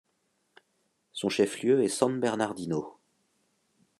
Son chef-lieu est San Bernardino.